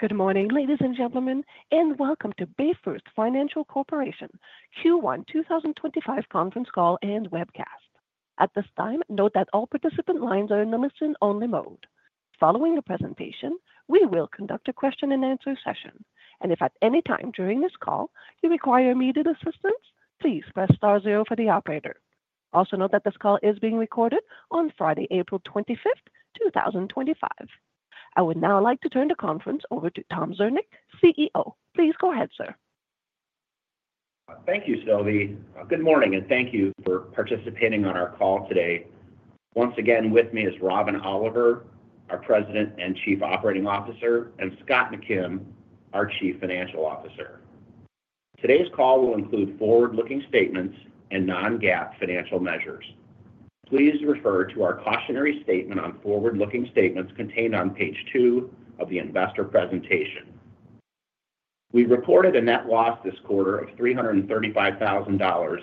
Good morning, ladies and gentlemen, and welcome to BayFirst Financial Corporation Q1 2025 conference call and webcast. At this time, note that all participant lines are in the listen-only mode. Following the presentation, we will conduct a question-and-answer session, and if at any time during this call you require immediate assistance, please press star zero for the operator. Also note that this call is being recorded on Friday, April 25th, 2025. I would now like to turn the conference over to Tom Zernick, CEO. Please go ahead, sir. Thank you, Sylvie. Good morning, and thank you for participating on our call today. Once again, with me is Robin Oliver, our President and Chief Operating Officer, and Scott McKim, our Chief Financial Officer. Today's call will include forward-looking statements and non-GAAP financial measures. Please refer to our cautionary statement on forward-looking statements contained on page two of the investor presentation. We reported a net loss this quarter of $335,000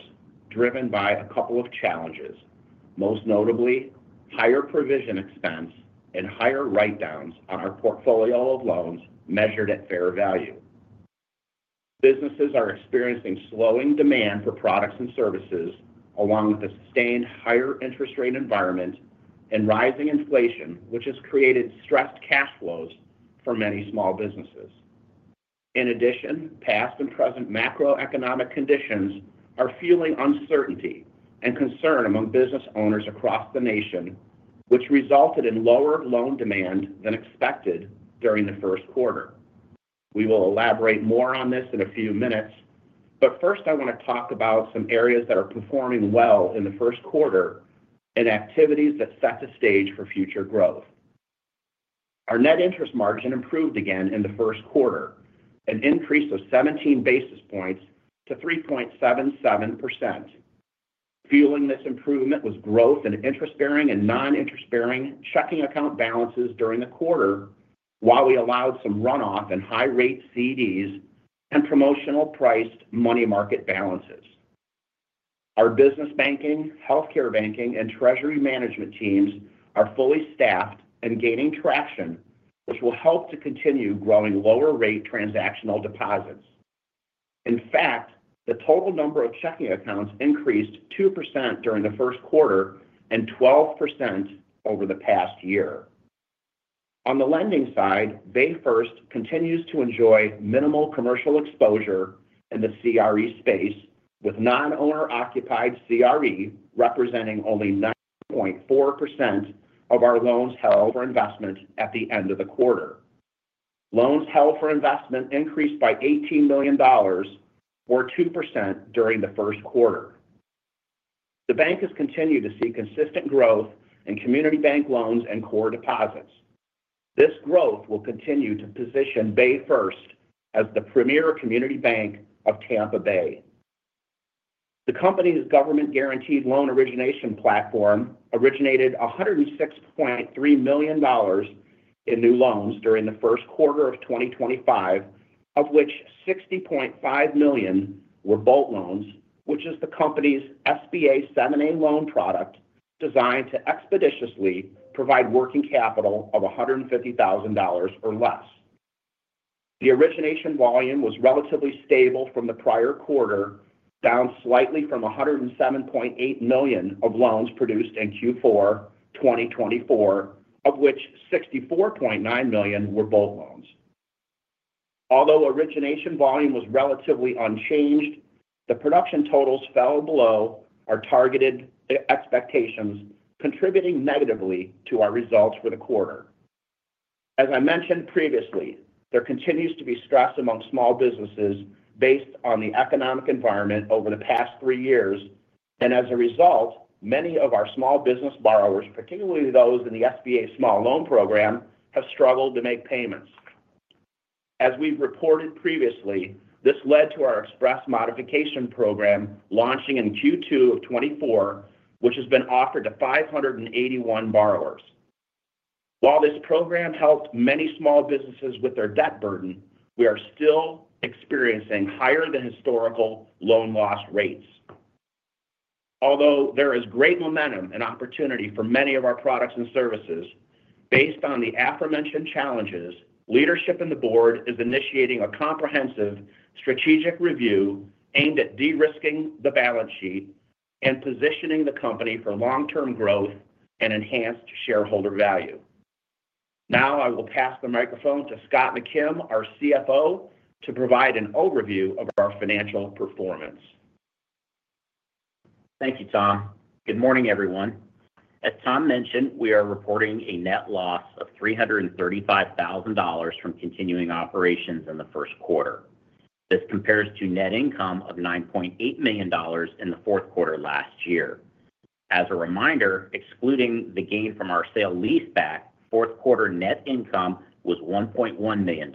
driven by a couple of challenges, most notably higher provision expense and higher write-downs on our portfolio of loans measured at fair value. Businesses are experiencing slowing demand for products and services, along with a sustained higher interest rate environment and rising inflation, which has created stressed cash flows for many small businesses. In addition, past and present macroeconomic conditions are fueling uncertainty and concern among business owners across the nation, which resulted in lower loan demand than expected during the first quarter. We will elaborate more on this in a few minutes, but first, I want to talk about some areas that are performing well in the first quarter and activities that set the stage for future growth. Our net interest margin improved again in the first quarter, an increase of 17 basis points to 3.77%. Fueling this improvement was growth in interest-bearing and non-interest-bearing checking account balances during the quarter, while we allowed some runoff in high-rate CDs and promotional-priced money market balances. Our business banking, healthcare banking, and treasury management teams are fully staffed and gaining traction, which will help to continue growing lower-rate transactional deposits. In fact, the total number of checking accounts increased 2% during the first quarter and 12% over the past year. On the lending side, BayFirst continues to enjoy minimal commercial exposure in the CRE space, with non-owner-occupied CRE representing only 9.4% of our loans held for investment at the end of the quarter. Loans held for investment increased by $18 million, or 2% during the first quarter. The bank has continued to see consistent growth in community bank loans and core deposits. This growth will continue to position BayFirst as the premier community bank of Tampa Bay. The company's government-guaranteed loan origination platform originated $106.3 million in new loans during the first quarter of 2025, of which $60.5 million were Bolt loans, which is the company's SBA 7(a) loan product designed to expeditiously provide working capital of $150,000 or less. The origination volume was relatively stable from the prior quarter, down slightly from $107.8 million of loans produced in Q4 2024, of which $64.9 million were Bolt loans. Although origination volume was relatively unchanged, the production totals fell below our targeted expectations, contributing negatively to our results for the quarter. As I mentioned previously, there continues to be stress among small businesses based on the economic environment over the past three years, and as a result, many of our small business borrowers, particularly those in the SBA Small Loan Program, have struggled to make payments. As we've reported previously, this led to our Express Modification Program launching in Q2 of 2024, which has been offered to 581 borrowers. While this program helped many small businesses with their debt burden, we are still experiencing higher-than-historical loan loss rates. Although there is great momentum and opportunity for many of our products and services, based on the aforementioned challenges, leadership in the board is initiating a comprehensive strategic review aimed at de-risking the balance sheet and positioning the company for long-term growth and enhanced shareholder value. Now, I will pass the microphone to Scott McKim, our CFO, to provide an overview of our financial performance. Thank you, Tom. Good morning, everyone. As Tom mentioned, we are reporting a net loss of $335,000 from continuing operations in the first quarter. This compares to net income of $9.8 million in the fourth quarter last year. As a reminder, excluding the gain from our sale leaseback, fourth quarter net income was $1.1 million.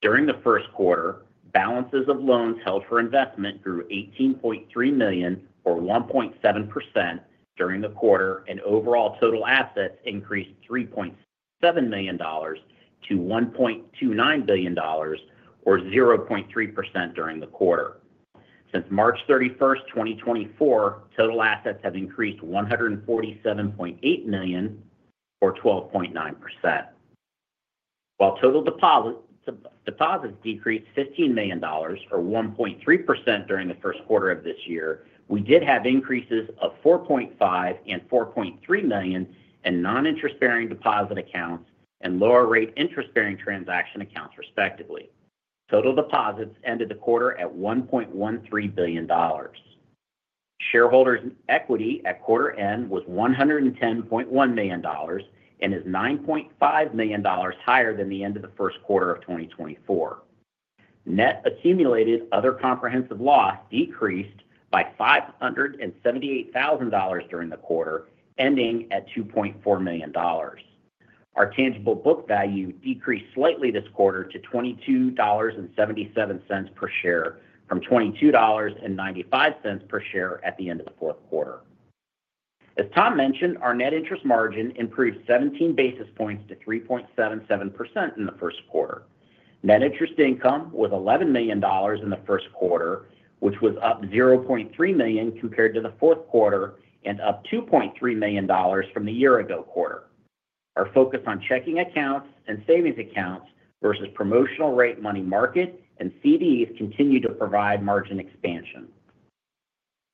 During the first quarter, balances of loans held for investment grew $18.3 million, or 1.7%, during the quarter, and overall total assets increased $3.7 million to $1.29 billion, or 0.3% during the quarter. Since March 31st, 2024, total assets have increased $147.8 million, or 12.9%. While total deposits decreased $15 million, or 1.3%, during the first quarter of this year, we did have increases of $4.5 million and $4.3 million in non-interest-bearing deposit accounts and lower-rate interest-bearing transaction accounts, respectively. Total deposits ended the quarter at $1.13 billion. Shareholders' equity at quarter end was $110.1 million and is $9.5 million higher than the end of the first quarter of 2024. Net accumulated other comprehensive loss decreased by $578,000 during the quarter, ending at $2.4 million. Our tangible book value decreased slightly this quarter to $22.77 per share from $22.95 per share at the end of the fourth quarter. As Tom mentioned, our net interest margin improved 17 basis points to 3.77% in the first quarter. Net interest income was $11 million in the first quarter, which was up $0.3 million compared to the fourth quarter and up $2.3 million from the year-ago quarter. Our focus on checking accounts and savings accounts versus promotional-rate money market and CDs continued to provide margin expansion.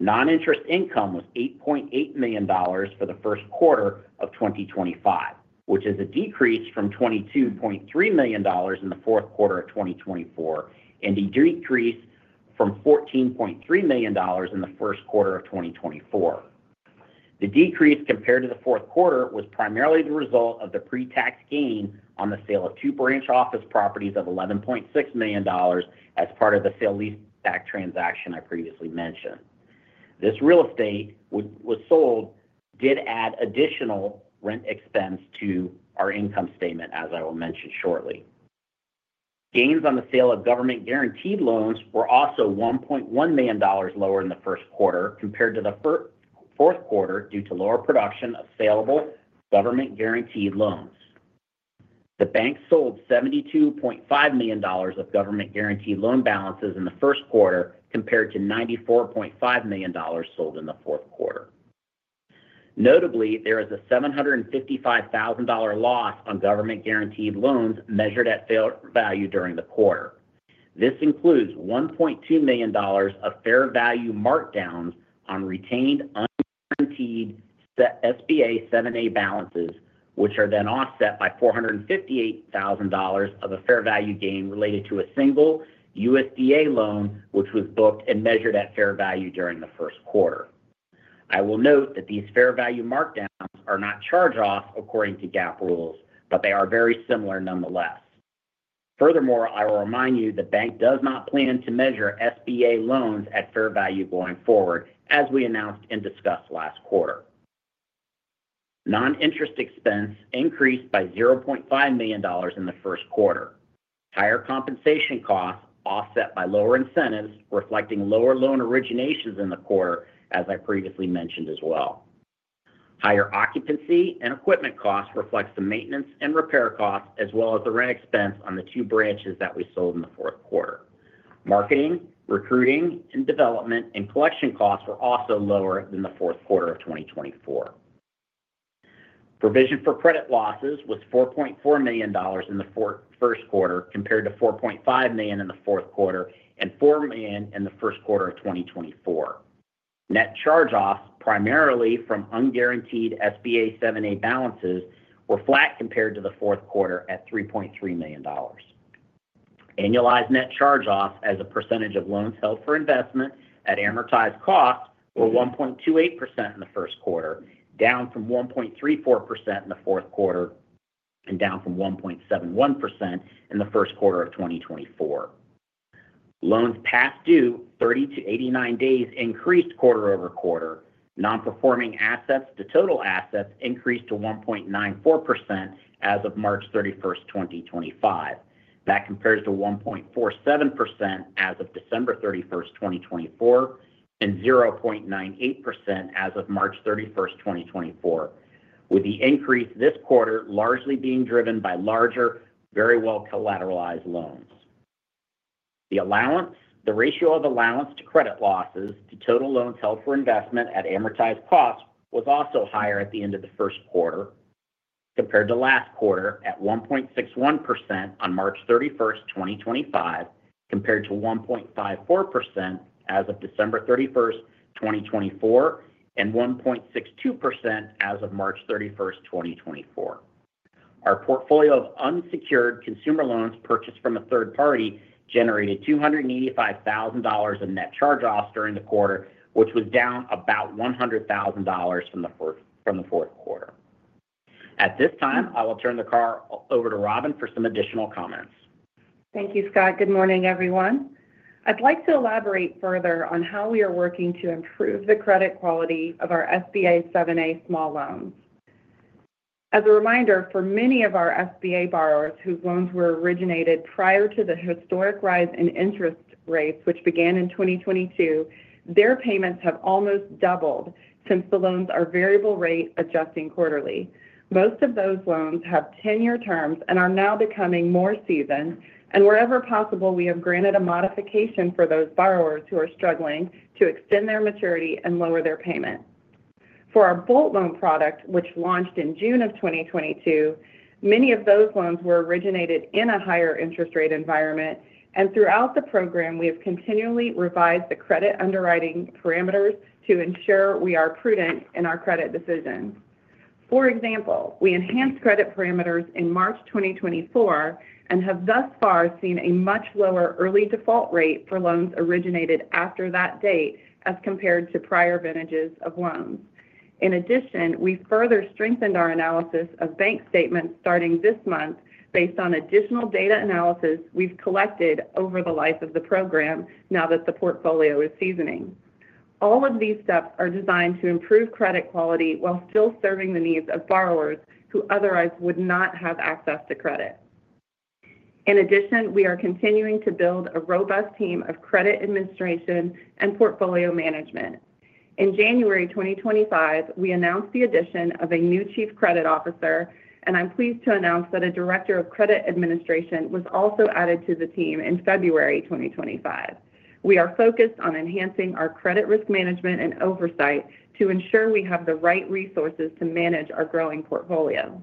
Non-interest income was $8.8 million for the first quarter of 2025, which is a decrease from $22.3 million in the fourth quarter of 2024 and a decrease from $14.3 million in the first quarter of 2024. The decrease compared to the fourth quarter was primarily the result of the pre-tax gain on the sale of two branch office properties of $11.6 million as part of the sale leaseback transaction I previously mentioned. This real estate was sold, did add additional rent expense to our income statement, as I will mention shortly. Gains on the sale of government-guaranteed loans were also $1.1 million lower in the first quarter compared to the fourth quarter due to lower production of saleable government-guaranteed loans. The bank sold $72.5 million of government-guaranteed loan balances in the first quarter compared to $94.5 million sold in the fourth quarter. Notably, there is a $755,000 loss on government-guaranteed loans measured at fair value during the quarter. This includes $1.2 million of fair value markdowns on retained un-guaranteed SBA 7(a) balances, which are then offset by $458,000 of a fair value gain related to a single USDA loan, which was booked and measured at fair value during the first quarter. I will note that these fair value markdowns are not charge-offs according to GAAP rules, but they are very similar nonetheless. Furthermore, I will remind you the bank does not plan to measure SBA loans at fair value going forward, as we announced and discussed last quarter. Non-interest expense increased by $0.5 million in the first quarter. Higher compensation costs offset by lower incentives, reflecting lower loan originations in the quarter, as I previously mentioned as well. Higher occupancy and equipment costs reflect the maintenance and repair costs, as well as the rent expense on the two branches that we sold in the fourth quarter. Marketing, recruiting, and development and collection costs were also lower than the fourth quarter of 2024. Provision for credit losses was $4.4 million in the first quarter compared to $4.5 million in the fourth quarter and $4 million in the first quarter of 2024. Net charge-offs, primarily from unguaranteed SBA 7(a) balances, were flat compared to the fourth quarter at $3.3 million. Annualized net charge-offs as a percentage of loans held for investment at amortized costs were 1.28% in the first quarter, down from 1.34% in the fourth quarter and down from 1.71% in the first quarter of 2024. Loans past due, 30-89 days, increased quarter-over-quarter. Non-performing assets to total assets increased to 1.94% as of March 31st, 2025. That compares to 1.47% as of December 31st, 2024, and 0.98% as of March 31st, 2024, with the increase this quarter largely being driven by larger, very well-collateralized loans. The ratio of allowance for credit losses to total loans held for investment at amortized cost was also higher at the end of the first quarter compared to last quarter at 1.61% on March 31st, 2025, compared to 1.54% as of December 31st, 2024, and 1.62% as of March 31st, 2024. Our portfolio of unsecured consumer loans purchased from a third party generated $285,000 in net charge-offs during the quarter, which was down about $100,000 from the fourth quarter. At this time, I will turn the call over to Robin for some additional comments. Thank you, Scott. Good morning, everyone. I'd like to elaborate further on how we are working to improve the credit quality of our SBA 7(a) small loans. As a reminder, for many of our SBA borrowers whose loans were originated prior to the historic rise in interest rates, which began in 2022, their payments have almost doubled since the loans are variable rate adjusting quarterly. Most of those loans have 10-year terms and are now becoming more seasoned, and wherever possible, we have granted a modification for those borrowers who are struggling to extend their maturity and lower their payment. For our Bolt loan product, which launched in June of 2022, many of those loans were originated in a higher interest rate environment, and throughout the program, we have continually revised the credit underwriting parameters to ensure we are prudent in our credit decisions. For example, we enhanced credit parameters in March 2024 and have thus far seen a much lower early default rate for loans originated after that date as compared to prior vintages of loans. In addition, we further strengthened our analysis of bank statements starting this month based on additional data analysis we've collected over the life of the program now that the portfolio is seasoning. All of these steps are designed to improve credit quality while still serving the needs of borrowers who otherwise would not have access to credit. In addition, we are continuing to build a robust team of credit administration and portfolio management. In January 2025, we announced the addition of a new Chief Credit Officer, and I'm pleased to announce that a Director of Credit Administration was also added to the team in February 2025. We are focused on enhancing our credit risk management and oversight to ensure we have the right resources to manage our growing portfolio.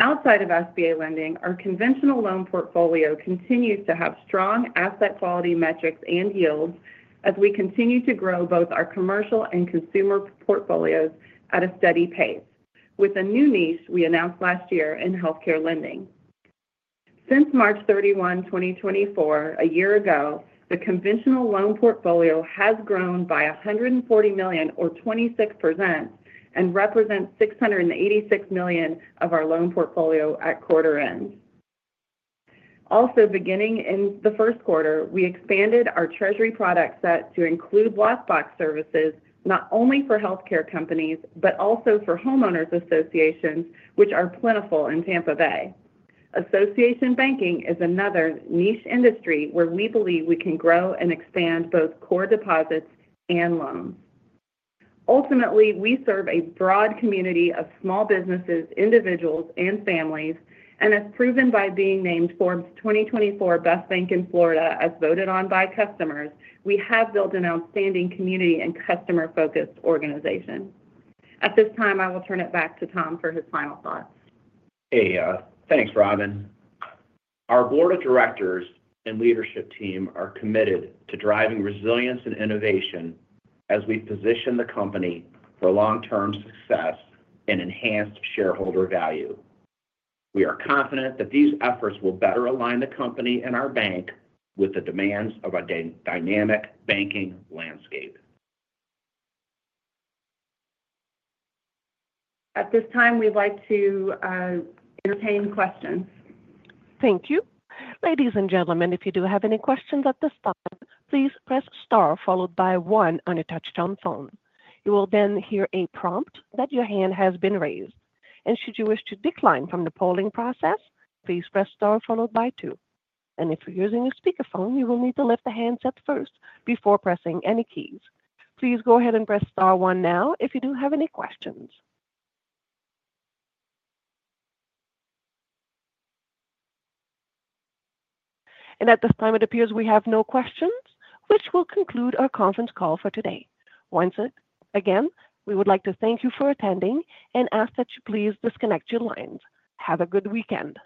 Outside of SBA lending, our conventional loan portfolio continues to have strong asset quality metrics and yields as we continue to grow both our commercial and consumer portfolios at a steady pace, with a new niche we announced last year in healthcare lending. Since March 31, 2024, a year ago, the conventional loan portfolio has grown by $140 million, or 26%, and represents $686 million of our loan portfolio at quarter end. Also, beginning in the first quarter, we expanded our treasury product set to include lockbox services not only for healthcare companies but also for homeowners associations, which are plentiful in Tampa Bay. Association banking is another niche industry where we believe we can grow and expand both core deposits and loans. Ultimately, we serve a broad community of small businesses, individuals, and families, and as proven by being named Forbes 2024 Best Bank in Florida as voted on by customers, we have built an outstanding community and customer-focused organization. At this time, I will turn it back to Tom for his final thoughts. Hey, thanks, Robin. Our board of directors and leadership team are committed to driving resilience and innovation as we position the company for long-term success and enhanced shareholder value. We are confident that these efforts will better align the company and our bank with the demands of a dynamic banking landscape. At this time, we'd like to entertain questions. Thank you. Ladies and gentlemen, if you do have any questions at this time, please press star followed by one on a touch-tone phone. You will then hear a prompt that your hand has been raised. Should you wish to decline from the polling process, please press star followed by two. If you are using a speakerphone, you will need to lift the handset first before pressing any keys. Please go ahead and press star one now if you do have any questions. At this time, it appears we have no questions, which will conclude our conference call for today. Once again, we would like to thank you for attending and ask that you please disconnect your lines. Have a good weekend.